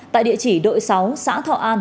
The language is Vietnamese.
tại địa chỉ đội sáu xã thọ an